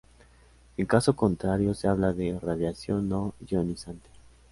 En caso contrario se habla de radiación no ionizante.